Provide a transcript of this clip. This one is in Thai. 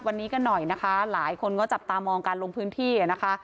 วันนี้กันหน่อยนะคะหลายคนก็จับตามองการลงพื้นที่อ่ะนะคะ